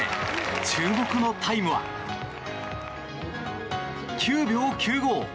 注目のタイムは９秒９５。